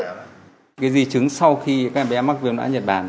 cái di chứng sau khi các bé mắc viêm não nhật bản